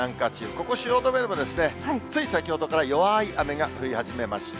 ここ、汐留でも、つい先ほどから弱い雨が降り始めました。